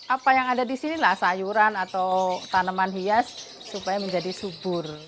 apa yang ada di sinilah sayuran atau tanaman hias supaya menjadi subur